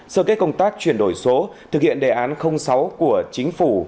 sơ kết công tác chuyển đổi số thực hiện đề án sáu của chính phủ